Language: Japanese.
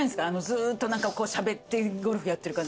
ずっとしゃべってゴルフやってる感じ。